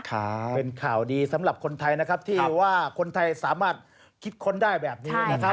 ข่าวเป็นข่าวดีสำหรับคนไทยนะครับที่ว่าคนไทยสามารถคิดค้นได้แบบนี้นะครับ